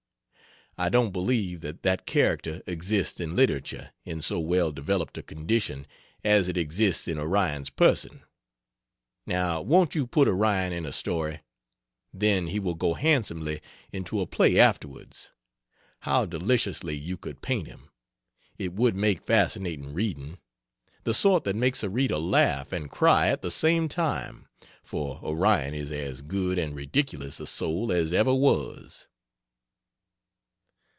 I don't believe that that character exists in literature in so well developed a condition as it exists in Orion's person. Now won't you put Orion in a story? Then he will go handsomely into a play afterwards. How deliciously you could paint him it would make fascinating reading the sort that makes a reader laugh and cry at the same time, for Orion is as good and ridiculous a soul as ever was.